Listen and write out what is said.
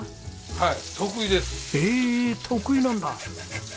はい。